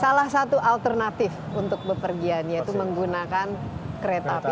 salah satu alternatif untuk bepergian yaitu menggunakan kereta api